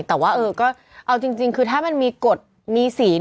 แต่ว่าเออก็เอาจริงคือถ้ามันมีกฎมีศีล